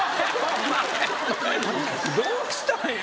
お前どうしたんや？